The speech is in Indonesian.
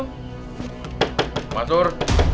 pak mas dur